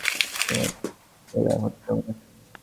তোমার ছেলে এখন কেমন আছে?